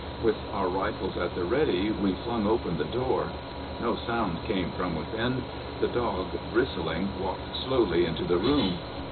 With our rifles at the ready, we flung open the door. No sound came from within. The dog, bristling, walked slowly into the room.